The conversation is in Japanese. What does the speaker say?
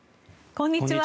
こんにちは。